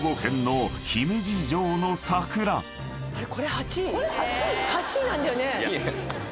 ８位なんだよね？